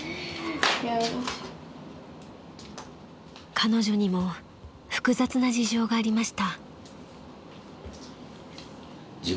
［彼女にも複雑な事情がありました］